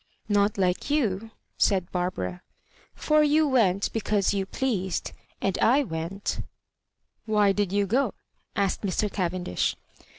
"Not like you," said Barbara^ "for you went because you pleased, and I went ^"" Why did you go? " asked Mr. Cavendish.